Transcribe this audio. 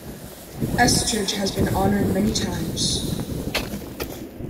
Estridge has been honored many times.